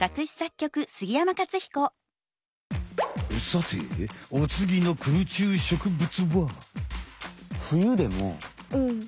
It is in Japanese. さておつぎの空中植物は。